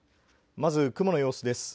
まず雲の様子です。